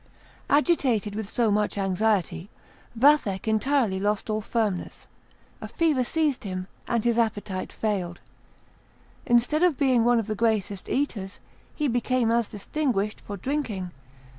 Agitated with so much anxiety, Vathek entirely lost all firmness; a fever seized him, and his appetite failed. Instead of being one of the greatest eaters, he became as distinguished for drinking.